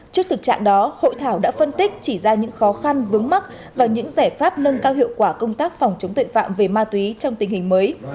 trước thực trạng đó hội thảo đã phân tích chỉ ra những khó khăn vướng mắt và những giải pháp nâng cao hiệu quả công tác phòng chống tội phạm về ma túy trong tình hình mới